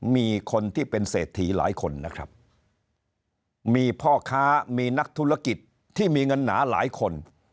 มีคนที่เป็นเศรษฐีหลายคนนะครับมีพ่อค้ามีนักธุรกิจที่มีเงินหนาหลายคน